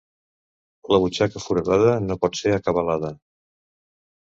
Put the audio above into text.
La butxaca foradada no pot ser acabalada.